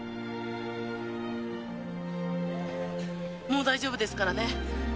もう大丈夫ですからね。